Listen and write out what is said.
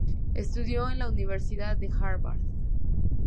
Estudió en la Universidad de Harvard.